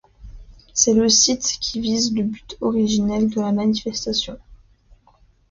C'est le site qui vise le but originel de la manifestation.